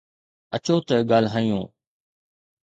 اچو ت ڳالھايون.